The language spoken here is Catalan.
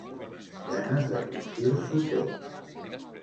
Ganes de cruspir-s'ho tot.